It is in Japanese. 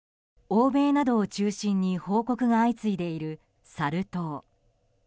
欧米などを中心に報告が相次いでいるサル痘。